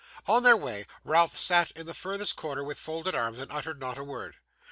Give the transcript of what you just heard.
On their way, Ralph sat in the furthest corner with folded arms, and uttered not a word.